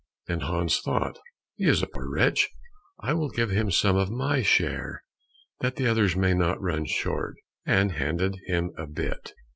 Then Hans thought, "He is a poor wretch, I will give him some of my share, that the others may not run short," and handed him a bit.